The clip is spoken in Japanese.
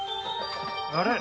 あれ？